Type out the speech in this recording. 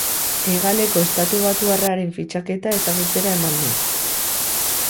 Hegaleko estatubatuarraren fitxaketa ezagutzera eman du.